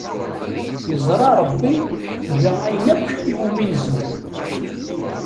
Yeẓra Rebbi nga ayen akk iwumi nezmer.